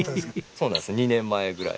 そうなんです２年前ぐらい。